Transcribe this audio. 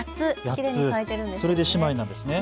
それで姉妹なんですね。